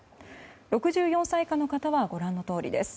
６４歳以下の方はご覧のとおりです。